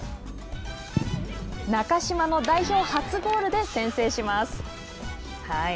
中嶋の代表初ゴールで先制します。